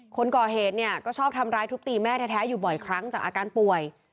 คนก่อเหตุเนี่ยก็ชอบทำร้ายทุบตีแม่แท้อยู่บ่อยครั้งจากอาการป่วย